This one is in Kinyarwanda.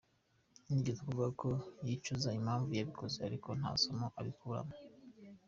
Nigeze kuvuga ko yicuza impamvu yabikoze ariko nta somo abikuramo.